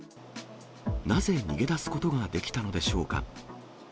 なぜ逃げ出すことができたのでしょうか。